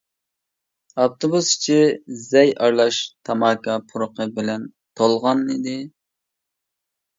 ئاپتوبۇس ئىچى زەي ئارىلاش تاماكا پۇرىقى بىلەن تولغانىدى.